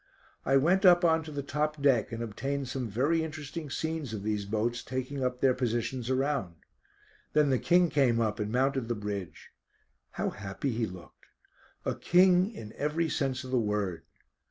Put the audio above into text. I went up on to the top deck, and obtained some very interesting scenes of these boats taking up their positions around. Then the King came up and mounted the bridge. How happy he looked! A King in every sense of the word.